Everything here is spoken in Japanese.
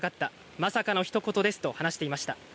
まさかのひと言ですと話していました。